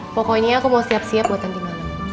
pokoknya aku mau siap siap buat nanti malam